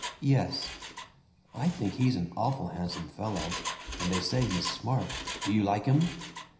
"Yes." "I think he's an awful handsome fellow, and they say he's smart. Do you like him?"